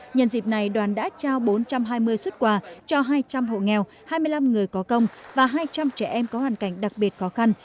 nhân dịp này đoàn đã trao bốn trăm hai mươi xuất quà cho hai trăm linh hộ nghèo hai mươi năm người có công và hai trăm linh trẻ em có hoàn cảnh đặc biệt khó khăn